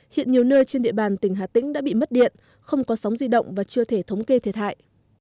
hiện nhiều nơi trên địa bàn tỉnh hà tĩnh đã bị mất điện không có sóng di động và chưa thể thống kê thiệt hại